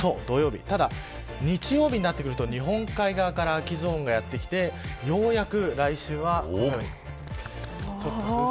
ただ、日曜日になってくると日本海側から秋ゾーンがやってきてようやく来週は。